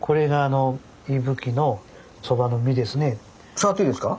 触っていいですか？